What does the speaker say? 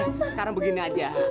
eh sekarang begini aja